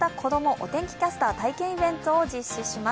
お天気キャスター体験イベントを実施します。